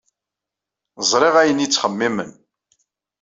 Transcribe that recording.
Ẓriɣ ayen ay ttxemmimen.